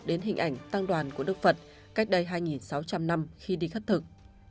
đến hình ảnh tăng đoàn của đức phật cách đây hai sáu trăm linh năm khi đi khất thực